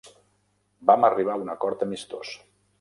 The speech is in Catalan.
Vam arribar a un acord amistós.